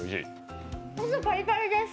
外パリパリです。